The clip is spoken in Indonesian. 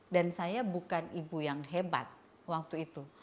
dan saya bukan ibu yang hebat waktu itu